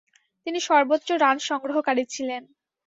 তিনি সর্বোচ্চ রান সংগ্রহকারী ছিলেন।